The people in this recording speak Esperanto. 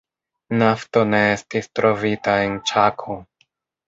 Nafto ne estis trovita en Ĉako.